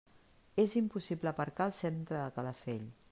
És impossible aparcar al centre de Calafell.